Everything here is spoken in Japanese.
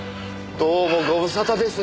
どうもご無沙汰です。